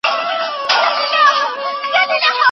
عزت په تقوا او د الله په وېره کي دی.